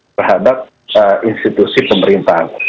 dan juga terhadap institusi pemerintahan